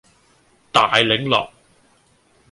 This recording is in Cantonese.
大檸樂